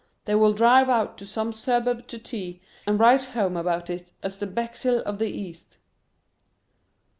They will drive out to some suburb to tea, and write home about it as the Bexhill of the East.